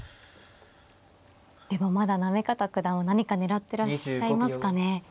でもまだ行方九段は何か狙ってらっしゃいますかね。